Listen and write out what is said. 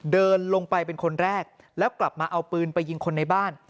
เดินลงไปเป็นคนแรกแล้วกลับมาเอาปืนไปยิงคนในบ้าน